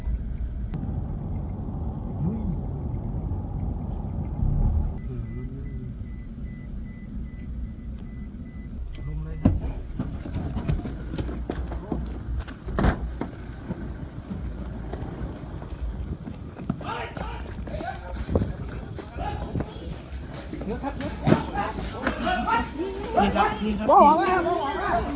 สวัสดีแล้วครับ